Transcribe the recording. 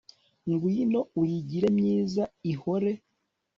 ngwino uyigire myiza ihore